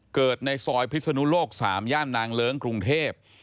ในซอยพิศนุโลก๓ย่านนางเลิ้งกรุงเทพ